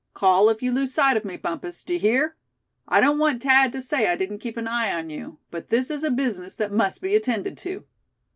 Call if you lose sight of me, Bumpus, d'ye hear? I don't want Thad to say I didn't keep an eye on you; but this is a business that must be attended to."